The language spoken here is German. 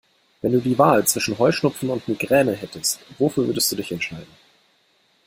Wenn du die Wahl zwischen Heuschnupfen und Migräne hättest, wofür würdest du dich entscheiden?